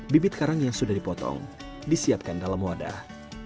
bibit karang yang sudah dipotong disiapkan dalam wadah